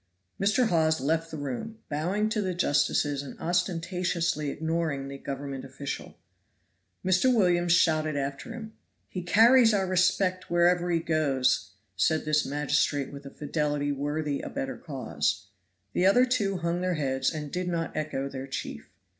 Mr. Hawes left the room, bowing to the justices and ostentatiously ignoring the government official. Mr. Williams shouted after him. "He carries our respect wherever he goes," said this magistrate with a fidelity worthy a better cause. The other two hung their heads and did not echo their chief.